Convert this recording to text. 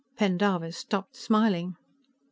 Pendarvis stopped smiling. "Mr.